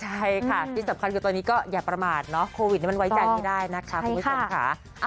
ใช่ค่ะที่สำคัญคือตอนนี้ก็อย่าประมาทเนอะโควิดมันไว้ใจไม่ได้นะคะคุณผู้ชมค่ะ